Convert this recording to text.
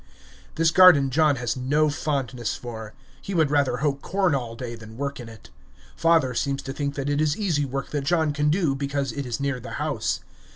This garden John has no fondness for. He would rather hoe corn all day than work in it. Father seems to think that it is easy work that John can do, because it is near the house!